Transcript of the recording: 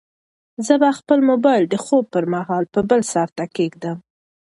زه به خپل موبایل د خوب پر مهال په بل سرته کېږدم.